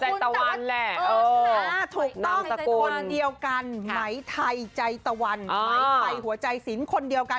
ไหมไทยหัวใจตะวันแหละ